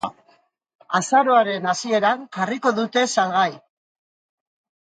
Azaroaren hasieran jarriko dute salgai.